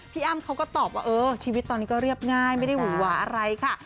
อ้ำเขาก็ตอบว่าเออชีวิตตอนนี้ก็เรียบง่ายไม่ได้หวือหวาอะไรค่ะ